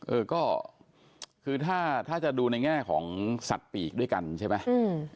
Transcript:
เออก็คือถ้าถ้าจะดูในแง่ของสัตว์ปีกด้วยกันใช่ไหมอืม